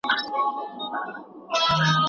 د نوروز د سهار باده!!